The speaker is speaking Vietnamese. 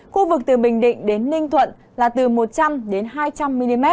khu vực từ bình định đến ninh thuận là từ một trăm linh hai trăm linh mm